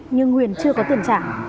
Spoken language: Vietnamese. nhưng huyền chưa có tiền trả